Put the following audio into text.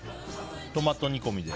トマト煮込みで。